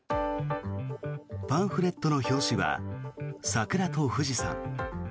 パンフレットの表紙は桜と富士山。